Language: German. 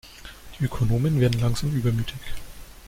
Die Ökonomen werden langsam übermütig.